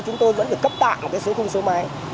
chúng tôi vẫn phải cấp tạng cái số khung số máy